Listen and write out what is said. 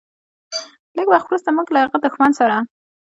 لږ وخت وروسته موږ له هغه دښمن سره.